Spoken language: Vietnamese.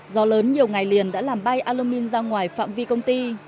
gió lớn nhiều ngày liền đã làm bay alumin ra ngoài phạm vi công ty